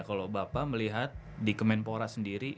kalau bapak melihat di kemenpora sendiri